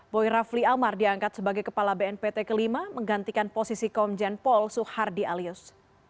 boy rafli amar diangkat sebagai kepala bnpt kelima menggantikan posisi komjen paul soehardi alius